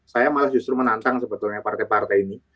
saya malah justru menantang sebetulnya partai partai ini